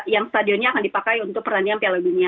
yang stadionnya akan dipakai untuk pertandingan piala dunia